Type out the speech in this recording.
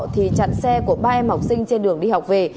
thì chặn xe của ba em học sinh trên đường đi học về